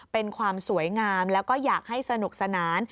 เป็นความสวยงามแล้วก็อยากให้สนุกสนาน